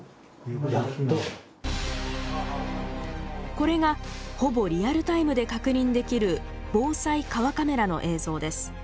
これがほぼリアルタイムで確認できる防災川カメラの映像です。